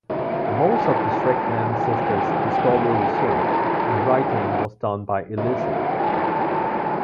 Most of the Strickland sisters' historical research and writing was done by Elizabeth.